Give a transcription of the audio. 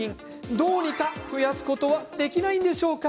どうにか増やすことができないんでしょうか？